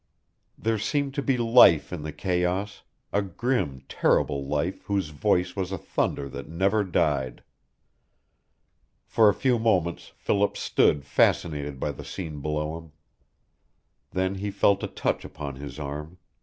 There seemed to be life in the chaos a grim, terrible life whose voice was a thunder that never died. For a few moments Philip stood fascinated by the scene below him. Then he felt a touch upon his arm.